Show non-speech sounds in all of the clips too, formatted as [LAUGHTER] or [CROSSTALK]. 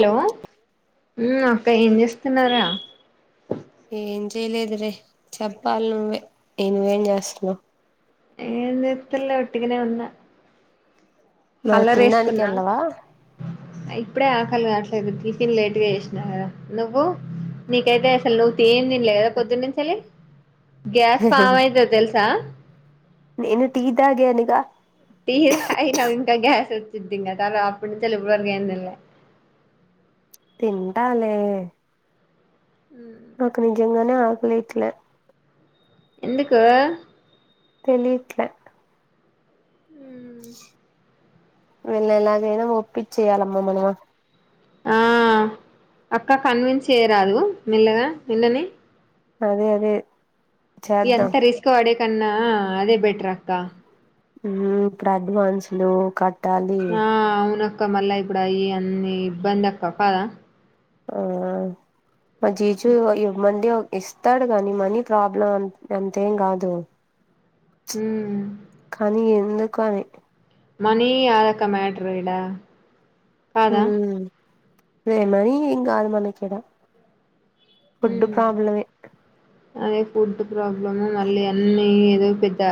Hello మ్ అక్క ఏం చేస్తున్నారా ఏం చేయలేదు రే చెప్పాల నువ్వే ఏం వేం చేస్తున్నా ఏ జేతలే ఒట్టిగనే వున్నా మరి తినడానికి కల్లరేసుకున్నా వెళ్ళవా ఇప్పుడే ఆకలి కావట్లేదు టిఫిన్ లేట్గా జేసినా నువ్వు నీకైతే అసలు నువ్వుతి ఏం తింలేదు కదా పొద్దున్ననుంచలే గ్యాస్ ఫామ్ అయితది తెల్సా నేను టీ తాగేను ఇగ టీ తగినవ్ ఇంకా గ్యాస్ వచ్చిద్ది ఇంకా తర్వా అప్పటి నుంచి ఇప్పుటి వరకు ఏందిల్ తింటాలే నాకు నిజంగానే ఆకలేయట్లే ఎందుకు తెలీట్లే వీళ్ళని ఎలాగైనా ఒప్పించేయాలమ్మా మనం ఆ అక్క కన్విన్స్ చేయరాదు మెల్లగా మిల్లని అదే అదే చేద్దాం ఎంత రిస్క్ వాడేకన్నా అదే బెటర్ అక్క ప్రాబ్లమ్స్ లో కట్ ఆ అవునక్క మళ్ళా ఇప్పుడు అయి అన్ని ఇబ్బంది అక్క కాదా ఆ మా జీజు ఏమండి ఇస్తాడు కాని మనీ ప్రాబ్లం అంతేం కాదు మ్ కానీ ఎందుకు అని మనీ ఆ వికా మ్యాట్రుడా ఉ మ్ అదే మనీ ఇంగ ఆది మానీ కేడా ఫుడ్ ఉమ్ ప్రాబ్లమే అదే ఫుడ్ ప్రాబ్లం మళ్ళీ అన్నీ ఏదో పెద్ద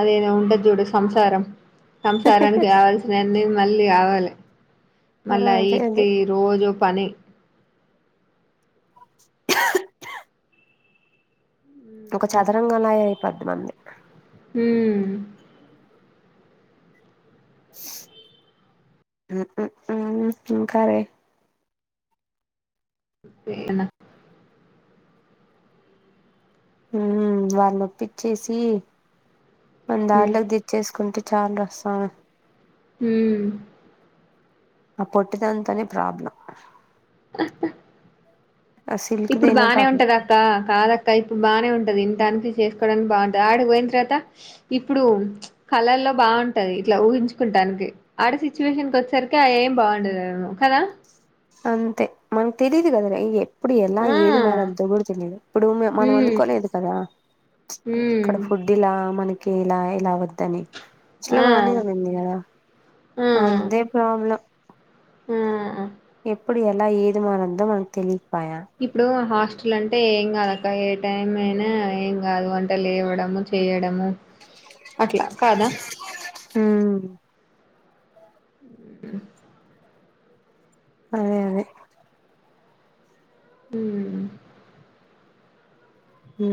అదేనా ఉంట చూడు సంసారం సంసారానికి కావాల్సినన్ని మళ్ళీ కావాలి మళ్ళీ ఆ అదే అదే ఈటికి రోజు పని ఆ ఒక చదరంగం గయి అయిపోద్ది మంది హ్మ్ ఏం కర్రీ వే న్న హ్మ్ వాళ్ళ నొప్పిచ్చేసి మన దారిలోకి తెచ్ చేసుకుంటే చాలల్ రసామె హ్మ్ ఆ పొట్టిదాన్ తోనే ప్రాబ్లం ఆ సిల్క్ ఇప్పుడు దైనా బానే పర్లే ఉంటదక్క కాదక్క కాదిప్పుడు బానే ఉంటది ఇంటి అనికి చేసుకోవడానికి బాగుంటుంది ఆడి పోయిన తర్వాత ఇప్పుడు కలల్లో బాగుంటది ఇట్లా ఊహించుకుంటానికి ఆడ సిచ్యువేషన్ కి వచేసరికి ఏం బాగుండదు కదా అంతే మనక్ తెలిదు కద రా అయ్యి ఇప్పుడు ఎలా ఆ ఏది మరి అంత కూడా తెలియదు ఇప్పుడు మనం ఉమ్ అనుకోలేదు కదా ఉమ్ ఇక్కడ ఫుడ్ ఇలా మనకి ఇలా ఇలా వద్దని అట్లు ఆ వానే ఉండింది కదా అదే ప్రాబ్లం హు ఎప్పుడు ఎలా ఏది మారుద్దో మనక్ తెలియపాయా ఇప్పుడు హాస్టల్ అంటే ఏం కాదక్క ఏ టైమ్ అయినా ఏం కాదు అంటే లేవడం చేయడము అట్ల కాద ఉమ్ అదే అదే ఉ ఉ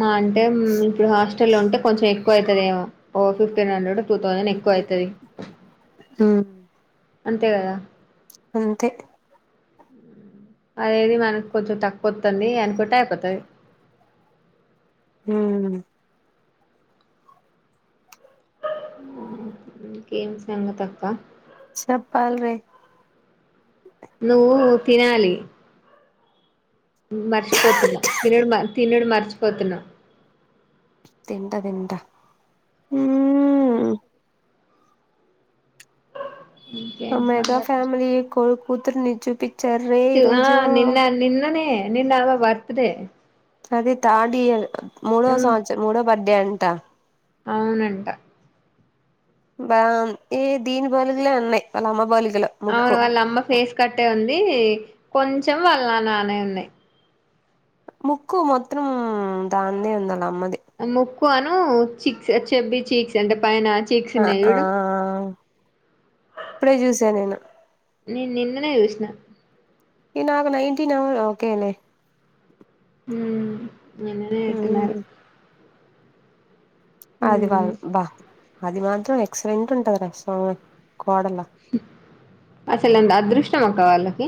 మా అంటే ఇప్పుడు హాస్టల్ లో ఉంటే కొంచెం ఎక్ ఎక్కువ అయితది ఏమో ఓ ఫిఫ్టీన్ హండ్రెడ్ టూ థౌజండ్ ఎక్కువ అవుతుది ఉ అంతే కదా అంతే అనేది మనకు కొంచెం తక్కువ వత్తుంది అనుకుంటే అయిపోతుంది ఉ ఉమ్ ఇంకేం సంగతి అక్క చెప్పాల్ రె నువ్ నువ్వు తినాలి మర్చిపోతున్నాం తినడుమ తిినడు మర్చిపోతున్నా తింట తింట ఆ ఇంకేం మెగా సంగతి ఫ్యామలీ కొ కూతురునీ చూపి ఆ నిన్న నిన్ననే నిన్న ఆమె బర్తడే అది థర్డ్ ఇయర్ మూడో సంవత్సరం మూడో బర్త్డే అంట అవునంట బా ఏ దీని పోలికలు ఉన్నాయ్ వాళ్ళ అమ్మ పోలికలు అవును వాళ్ళ అమ్మ ఫేస్ కట్టే ఉంది కొంచెం వాళ్ళ నా నాన్నయ్ ఉన్నాయి ముక్కు మొత్తం దాన్దె ఉంది వాళ్ళ అమ్మది ముక్కు అను చిక్స్ చెబ్బీ చిక్స్ అంటే పైన చీక్స్ అ ఉన్నాయి ఆ చూడు ఇప్పుడే చూసా నేను నే న్ నిన్ననే చూసిన ఇందాక నైన్టీన్ ఓకే లె ఉమ్ నిన్ననే ఎత్తినారు హ్మ్ ఆదివారం బా అది మాత్రం ఎక్సలెంట్ ఉంటది రా స్వామి కోడలు అసలు ఎంత అదృష్టం అక్క వాళ్ళకి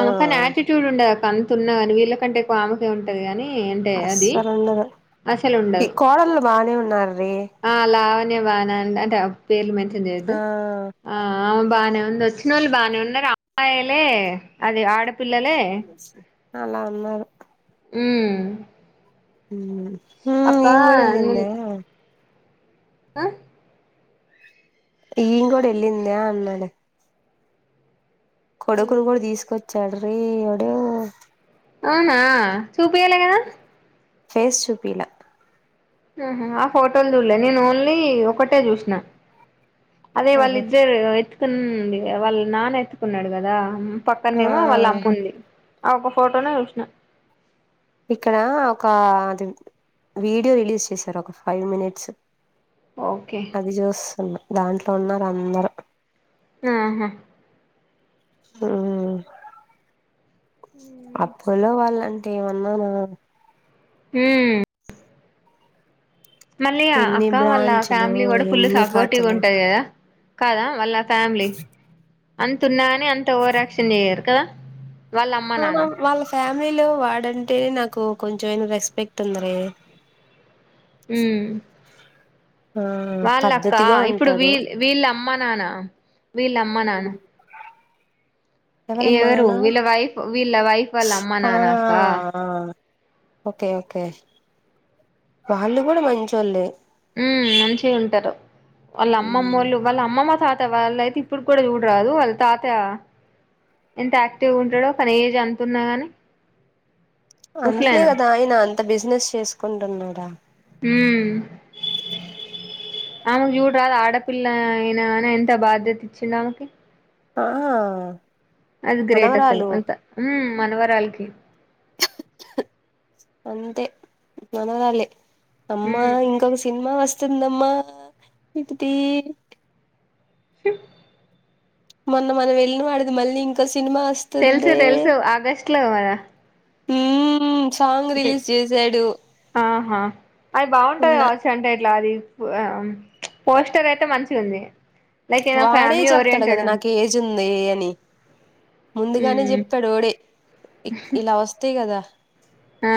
అమెకాని ఆటిట్యూడ్ ఉండ దక్క అంత ఉన్నా కాని వీళ్ళకంటే ఆమ ఉంటది కాని అంటే అది అస్సలు ఉండదు అసలు ఈ ఉండదు కోడళ్ళు బానే ఉన్నార్రీ ఆ లావనే బానె ఉండదట అంటే పేర్లు మెన్షన్ చేయొద్దు ఆ ఆ అవు బాగనే ఉంది వచ్చిన వాళ్ళు బాగనే ఉన్నారు అమ్మాయిలే అది ఆడపిల్లలే అలా ఉన్నారు. ఉమ్ ఊ అక్క ఈమె కూడా వెళ్ళిందే ఆ ఈమె కూడా వెళ్లిందా, అన్నాలే కొడుకును కూడా తీసుకొచ్చాడు రేయ్, వాడు అవునా, చూపియ్యాలి కదా. ఫేస్ చూపియ్యలా ఉహు ఆ ఫోటోలు చూడలే, నేను ఓన్లీ ఒకటే చూసినా అదే ఆహా వాళ్ళిద్దరు ఎత్తుకుంది, వాళ్ళ నాన్న ఎత్తుకున్నాడు కదా. ఆ పక్కన్నేమో వాళ్ళ అమ్ముంది, ఆ ఒక ఫోటోనే చూసిన. ఇక్కడ ఒక అది వీడియో రిలీజ్ చేశారు ఒక ఫైవ్ మినిట్స్ ఓకే అది చూస్తున్నా, దాంట్లో ఉన్నారు అందరూ. ఆహా ఊ అపోలో వాళ్ళంటే ఏమన్నానా? ఉమ్మ్ మళ్ళీ ఆ ఎన్ని అక్క వాళ్ళ బ్రాంచులు ఫ్యామిలీ కూడా ఫుల్ ఎన్ని సపోర్టివ్ గా కథలు ఉంటది కదా. కాదా వాళ్ళ ఫ్యామిలీ, అంత ఉన్నా కానీ అంత ఓవరాక్షన్ చేయరు కదా. వాళ్ళ అమ్మ ఆహా నాన్న వాళ్ళ ఫ్యామిలీలో వాడంటే నాకు కొంచెమైనా రెస్పెక్ట్ ఉందివే. ఉ ఆ వాళ్ళక్కా, పద్ధతిగా ఇప్పుడు ఉంటాడు వీల్ వీళ్ళ అమ్మ నానా, వీళ్ళ అమ్మ నానా ఎవరి అమ్మా ఎవరు నాన్న? వీళ్ళ వైఫ్ వీళ్ళ వైఫ్ వాళ్ళ అమ్మ ఆ నాన్నక్క ఓకే ఓకే వాళ్ళు కూడా మంచోళ్ళే. ఉమ్ మంచిగా ఉంటారు. వాళ్ళ మ్ అమ్మమ్మోళ్ళు వాళ్ళ అమ్మమ్మ తాత వాళ్ళై ఇప్పుడు కూడా చూడరాదు వాళ్ళ తాత ఎంత యాక్టివ్ గా ఉంటాడో కానీ ఏజ్ అంతున్నా గాని. అందుకే ముసలాయన కదా ఆయన అంత బిజినెస్ చేసుకుంటున్నాడా ఊ ఆమెకు చూడరాదు ఆడపిల్ల అయినా గాని, ఎంత బాధ్యత ఇచ్చిండో ఆమెకి. ఆ అది గ్రేట్ అసలు మనవరాలు అంత ఉమ్ మనవరాలకి అంతే మనవరాలే అమ్మా, ఉమ్ ఇంకొక సినిమా వస్తుందమ్మా ఇటిది హు మొన్న మనం వెళ్ళినవాడిది మళ్ళీ ఇంకో సినిమా వస్ తెలుసు తెలుసు ఆగస్టులో కదా ఉమ్ సాంగ్ రిలీజ్ చేసాడు. ఆహా, అవి బాగుంటాయి తిన్న కావచ్చు. అంటే ఎట్లా అది పోస్టర్ అయితే మంచిగ ఉంది. లైక్ ఏదన్న ఫ్యామిలీ ఓరియెంటెడ్ ఉంది. జుందే అని ముందుగానే ఉమ్ చెప్తాడు ఓడే, ఇలా వస్తాయి కదా ఆ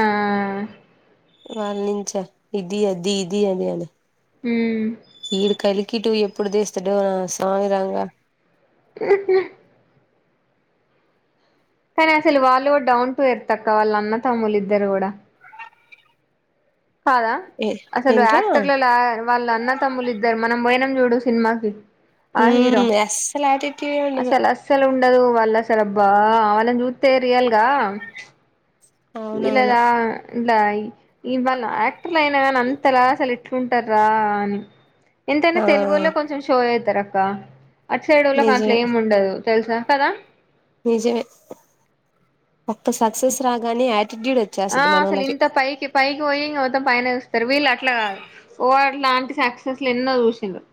వాళ్ళనించా, ఇది అది ఇది అది అని మ్మ్ఁ ఈడు కలికి టూ ఎప్పుడు తీస్తాడో నా సామిరంగా [INAUDIBLE] కనీ అసలు వాళ్ళు కూడా డౌన్ టూ ఎర్తక్క వాళ్ళ అన్న తమ్ములు ఇద్దరు గూడా కాదా ఏ అసలు ఏంట్రా యాక్టర్ల లాగా వాళ్ళ అన్న తమ్ములు ఇద్దరు మనం బోయినం చూడు సిన్మాకి హుమ్మ్ యాస్సాలు యాటిట్యూడే ఉండదు అసలు ఉండదు వాళ్ళసలు అబ్బా వాళ్ళని జూత్తే రియల్గా అవునవును యీలదా ఇలా ఇవాళ యాక్టర్లు అయినా గాని అంతలా అసలు ఎట్లుంటర్ రా అని ఎంతైనా ఆ తెలుగోళ్లే కొంచెం షో జేత్తరు అక్క అట్ సైడోళ్ళకి అట్లా నిజమే ఏం ఉండదు తెలుసా కదా నిజమే ఒక్క సక్సస్ రాగానే యాట్ ఆఁ అసలు ఇంత పైకి పైకిపోయి ఇంక మొత్తం పైన చూస్తారు వీళ్ళుట్లా కాదు ఓ అట్లాంటి సక్సెల్లు ఎన్నో చూసింర్రు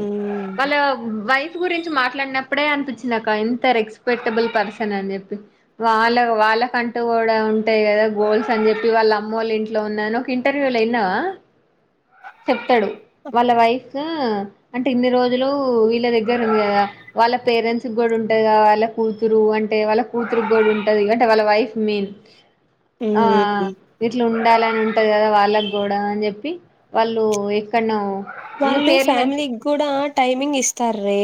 ఉమ్ వాళ్ళ వైఫ్ గురించి మాట్లాడినప్పుడే అనిపించ్చి నాక ఎంత రెస్పెక్టబుల్ పర్సన్ అని చెప్పి వాళ్ళ వాళ్ళకంటూ గూడా ఉం ఉంటాయి కదా గోల్స్ అని చెప్పి వాళ్ళమ్మెళ్ళ ఇంట్లో ఉన్నాను ఒక ఇంటర్వ్యూలో యిన్నావా చెప్తడు వాళ్ళ వైఫ్ హాఁ అంటే ఇన్ని రోజులు వీళ్ళ దగ్గర ఉంది కదా వాళ్ళ పేరెంట్స్ కూడా ఉంటది వాళ్ళ కూతురు అంటే వాళ్ళ కూతురుకి గూడా ఉంటది అంటే వాళ్ళ వైఫ్ మీన్ ఆఁ ఉమ్ ఇట్లా ఉండాలని ఉంటది కదా వాళ్ళక్ గూడా అని చెప్పి వాళ్ళు ఎక్ ఎక్కడ్నో ఇంగ వాళ్ళు పేర్లు మెన్స్ ఫ్యామిలీకి కూడా టైమింగ్ ఇస్తార్రే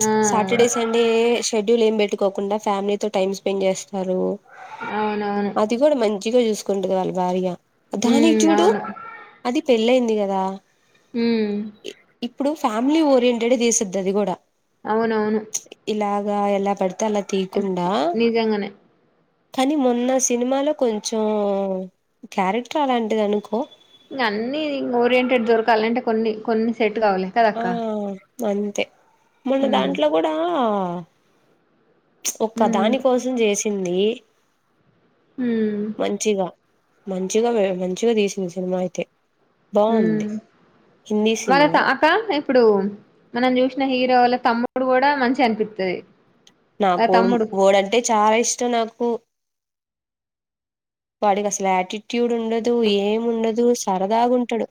ప్చ్ ఆ సాటర్డే, సండే షెడ్యూల్ ఏం పెట్టుకోకుండా ఫ్యామిలీతో టైమ్ స్పెండ్ చేస్తారు. అవునవును తిగోడు మంచిగా చూసుకుండు వాళ్ళ భార్య దానికి ఉమ్ చూడు అవును అది పెళ్ళయింది గదా హ్మ్ఁ ఈ ఇప్పుడు ఫ్యామిలీ ఓరియంటెడ్ తీస్తద్ అది గూడ అవునవును ఇలాగా ఎలా పడితే అలా తీయికుండా నిజంగానే కానీ మొన్న సినిమాలో కొంచెం క్యారెక్టర్ అలాంటిది అనుకో ఇంగ అన్ని ఇంగ్ ఓరియంటెడ్ దొర్కలంటే కొన్ని కొన్ని సెట్ కవులే ఆఁ అంతే మొన్న ఉమ్ దాంట్లో గూడా ప్చ్ ఒక్క ఉమ్ దాని కోసం చేసింది హుమ్మ్ఁ మంచిగా మంచిగావె మంచిగా తీసింది సినిమా అయితే బాగుంది హిందీ సినిమా క్క ఇప్పుడు మనం జూసిన హీరో వాళ్ళ తమ్ముడు కూడా మంచిగ అనిపిత్తది నా ఆ కోడుమ్ తమ్ముడు ఓడు అంటే చాలా ఇష్టం నాకు వాడికి అసలు యాటిట్యూడ్ ఉండదు ఏం ఉండదు సరదాగ్ ఉంటాడు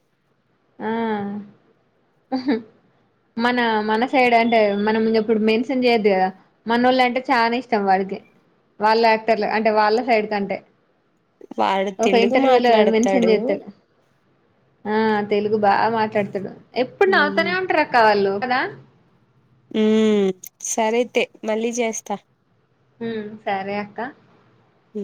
ఆఁ మన మన సైడ్ అంటే మనమింగ‌ ఇప్పుడు మెస్సన్ చేయొద్దు కదా మనొళ్ళు అంటే చానా ఇష్టం వాడికి వాళ్ళ యాక్టర్ల అంటే వాళ్ళ సైడ్ కంటే వాడు ఒక తెలుగు ఇంటర్వ్యూలో మెన్షన్ మాట్లాడతాడు చేత్తాడు ఆఁ తెలుగు బాగా మాట్లాడ్తడు ఎప్పుడు ఉ నాతోనే ఉంటరక్క వాళ్ళు కదా! హ్మ్ఁ సరే అయితే మళ్ళీ చేస్త ఉ సరే అక్క ఉ